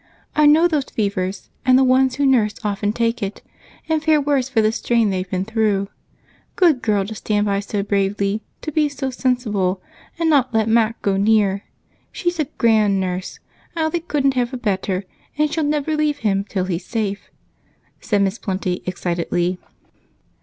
I know those fevers, and the ones who nurse often take it, and fare worse for the strain they've been through. Good girl to stand by so bravely, to be so sensible, and not let Mac go too near! She's a grand nurse Alec couldn't have a better, and she'll never leave him till he's safe," said Miss Plenty excitedly.